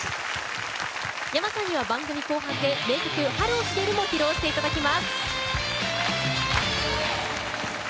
ｙａｍａさんには番組後半で名曲「春を告げる」も披露していただきます。